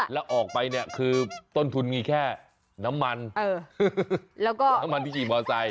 แล้วออกไปเนี่ยคือต้นทุนมีแค่น้ำมันแล้วก็น้ำมันที่ขี่มอไซค